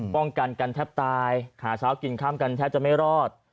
ป้องกันกันแทบตายหาเช้ากินค่ำกันแทบจะไม่รอด